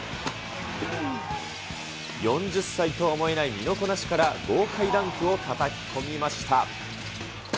４０歳とは思えない身のこなしから、豪快ダンクをたたき込みました。